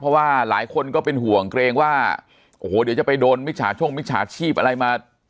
เพราะว่าหลายคนก็เป็นห่วงเกรงว่าโอ้โหเดี๋ยวจะไปโดนมิจฉาช่วงมิจฉาชีพอะไรมา